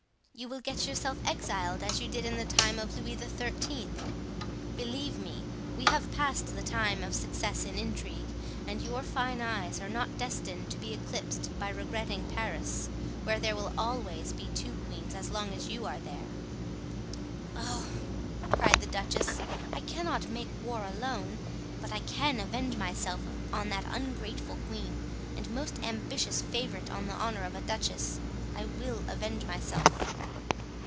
You will get yourself exiled, as you did in the time of Louis XIII. Believe me, we have passed the time of success in intrigue, and your fine eyes are not destined to be eclipsed by regretting Paris, where there will always be two queens as long as you are there." "Oh," cried the duchess, "I cannot make war alone, but I can avenge myself on that ungrateful queen and most ambitious favorite on the honor of a duchess, I will avenge myself."